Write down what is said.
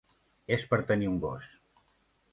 És per tenir un gos.